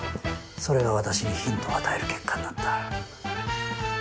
それが私にヒントを与える結果になった。